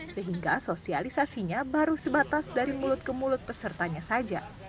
sehingga sosialisasinya baru sebatas dari mulut ke mulut pesertanya saja